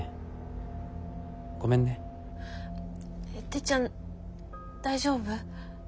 てっちゃん大丈夫？